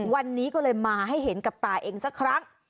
วันนี้ก็เลยมาให้เห็นกับตาเองสักครั้ง